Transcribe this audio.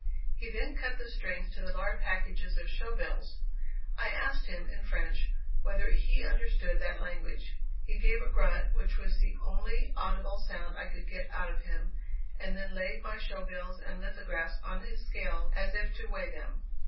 He then cut the strings to the large packages of show bills. I asked him, in French, whether he understood that language. He gave a grunt, which was the only audible sound I could get out of him, and then laid my show bills and lithographs on his scales as if to weigh them.